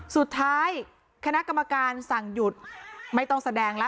สุดท้ายคณะกรรมการสั่งหยุดไม่ต้องแสดงละ